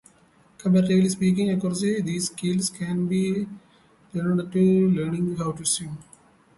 Comparatively speaking, acquiring these skills can be likened to learning how to swim.